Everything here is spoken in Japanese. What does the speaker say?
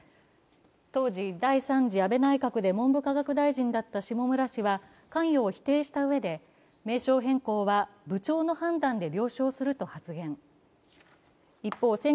当時、第３次安倍内閣で文部科学大臣だった下村氏は、関与を否定したうえで名称変更は部長の判断で了承すると発言。